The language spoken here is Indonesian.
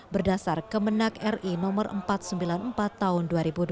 berdasar kemenang ri no empat ratus sembilan puluh empat tahun dua ribu dua puluh